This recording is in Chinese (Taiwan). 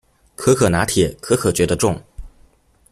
可可拿鐵，可可覺得重